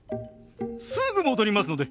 すぐ戻りますので。